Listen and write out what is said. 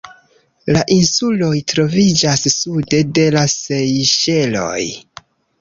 La insuloj troviĝas sude de la Sejŝeloj.